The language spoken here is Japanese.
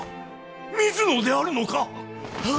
み水野であるのか？